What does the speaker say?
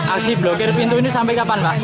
aksi blokir pintu ini sampai kapan pak